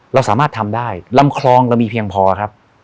เราสามารถทำได้ลำคลองเรามีเพียงพอครับ